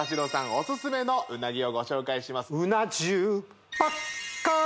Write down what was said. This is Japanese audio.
オススメのうなぎをご紹介します